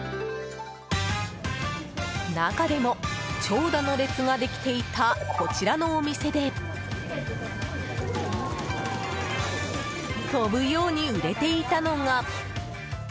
中でも、長蛇の列ができていたこちらのお店で飛ぶように売れていたのが。